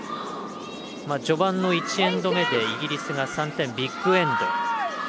序盤の１エンド目でイギリスが３点ビッグエンド。